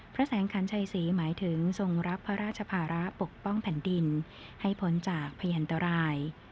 พระแสงขันชัยศรีหมายถึงทรงรับพระราชภาระปกป้องแผ่นดินให้พ้นจากพยันตราย